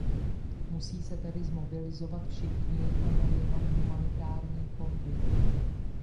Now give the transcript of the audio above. Musí se tedy zmobilizovat všichni, a ne jenom humanitární fondy.